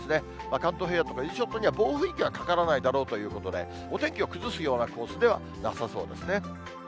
関東平野と伊豆諸島には暴風域はかからないだろうということで、お天気を崩すようなコースではなさそうですね。